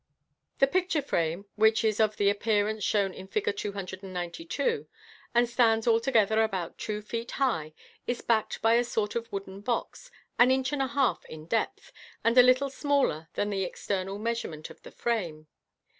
The picture frame, which is of the appearance shown in Fig. 2p2, and stands altogether about two feet high, is backed by a sort of wooden box, an inch and a half in depth, and a little smaller than the external measurement of the frame.